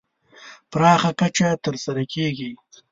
پراخه کچه تر سره کېږي.